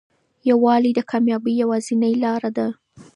یووالی د کامیابۍ یوازینۍ لاره ده.